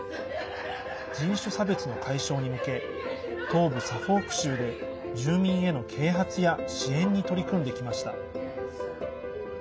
人種差別の解消に向け東部サフォーク州で住民への啓発や支援に取り組んできました。